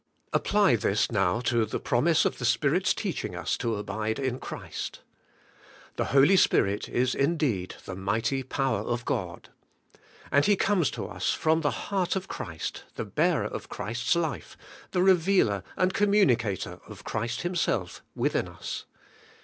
Apply this now to the promise of the Spirit's teach ing ns to abide in Christ. The Holy Spirit is indeed the mighty power of God. And He comes to ns from the heart of Christ, the bearer of Christ's life, the revealer and communicator of Christ Himself within us.